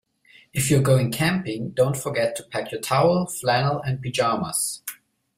If you're going camping, don't forget to pack your towel, flannel, and pyjamas